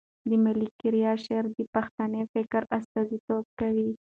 د ملکیار شعر د پښتني فکر استازیتوب کوي.